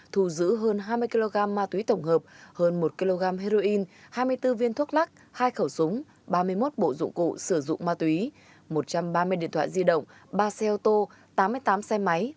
thu giữ hơn hai mươi kg ma túy tổng hợp hơn một kg heroin hai mươi bốn viên thuốc lắc hai khẩu súng ba mươi một bộ dụng cụ sử dụng ma túy một trăm ba mươi điện thoại di động ba xe ô tô tám mươi tám xe máy